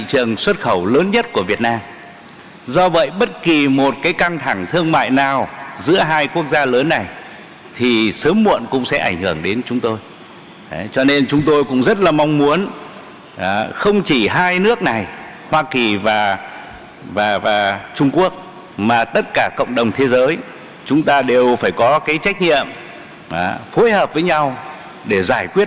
đồng thời đồng chí cũng bày tỏ mong muốn tất cả cộng đồng thế giới có trách nhiệm phối hợp giải quyết